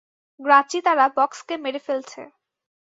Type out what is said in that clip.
গ্রাচি তারা বক্সকে মেরে ফেলছে।